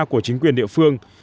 của chính quyền địa phương